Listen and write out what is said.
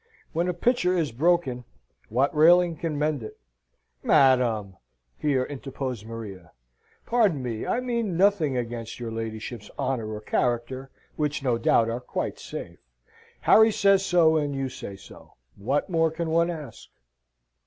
When a pitcher is broken, what railing can mend it?" "Madam!" here interposed Maria. "Pardon me I mean nothing against your ladyship's honour or character, which, no doubt, are quite safe. Harry says so, and you say so what more can one ask?"